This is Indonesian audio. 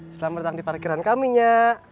selamat datang di parkiran kami ya